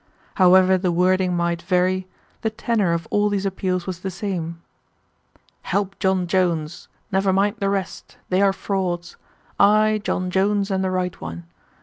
However the wording might vary, the tenor of all these appeals was the same: "Help John Jones. Never mind the rest. They are frauds. I, John Jones, am the right one.